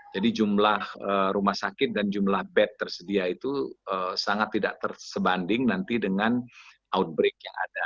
jadi jumlah rumah sakit dan jumlah bed tersedia itu sangat tidak tersebanding nanti dengan outbreak yang ada